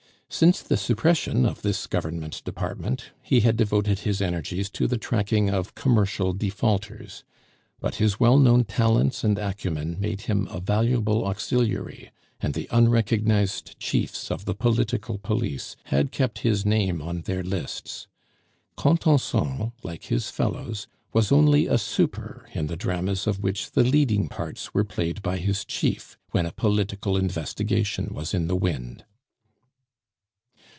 Since the suppression of this Government department, he had devoted his energies to the tracking of commercial defaulters; but his well known talents and acumen made him a valuable auxiliary, and the unrecognized chiefs of the political police had kept his name on their lists. Contenson, like his fellows, was only a super in the dramas of which the leading parts were played by his chief when a political investigation was in the wind.